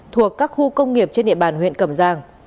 thuộc các khu công nghiệp trên địa bàn huyện cầm giàng